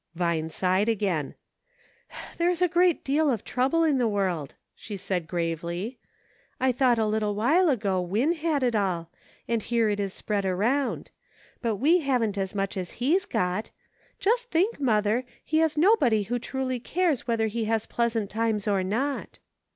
Vine sighed again. "There is a very great deal of trouble in the world," she said, gravely. " I thought a little while ago Win had it all, and here it is spread around ; but we haven't as much as he's got. Just think, mother, he has nobody who truly cares whether he has pleasant times or not."